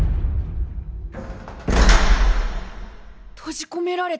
閉じこめられた。